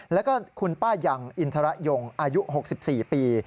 แล้วก็คุณป้ายังอินทรยงอายุ๖๔ปี